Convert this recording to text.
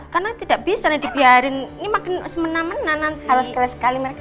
karena tidak bisa dibiarkan ini makin semenang menang nanti sekali kali mereka